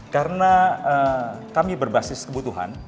karena kami berbasis kebutuhan